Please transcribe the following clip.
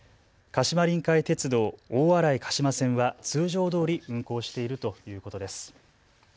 鹿島臨海鉄道大洗鹿島線は通常どおり運行しているということです。